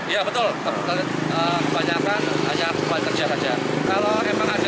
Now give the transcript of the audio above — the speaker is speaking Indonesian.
iya betul kebanyakan hanya kembali kerja saja